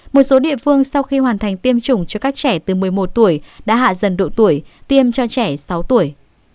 một số địa phương sau khi hoàn thành tiêm chủng cho các trẻ từ một mươi một tuổi đã hạ dần độ tuổi tiêm cho trẻ sáu tuổi